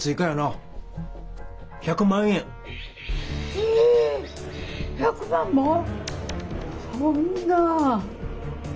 え１００万も⁉そんな。